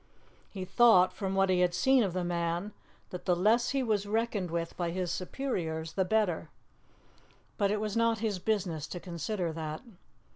He thought, from what he had seen of the man, that the less he was reckoned with by his superiors the better, but it was not his business to consider that.